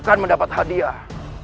akan mendapat hadiah